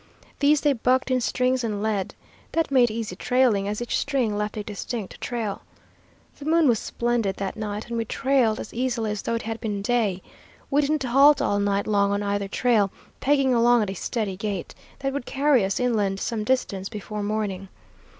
These they bucked in strings, and led. That made easy trailing, as each string left a distinct trail. The moon was splendid that night, and we trailed as easily as though it had been day. We didn't halt all night long on either trail, pegging along at a steady gait, that would carry us inland some distance before morning.